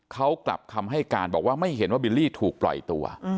เขากลับคำให้การบอกว่าไม่เห็นว่าบิลลี่ถูกปล่อยตัว